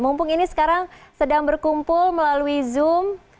mumpung ini sekarang sedang berkumpul melalui zoom